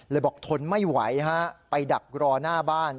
บอกทนไม่ไหวฮะไปดักรอหน้าบ้าน